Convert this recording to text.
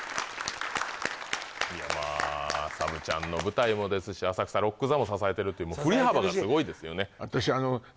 サブちゃんの舞台もですし浅草ロック座も支えてるって振り幅がすごいですよね